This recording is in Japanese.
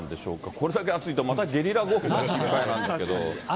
これだけ暑いと、またゲリラ豪雨が心配なんですけど。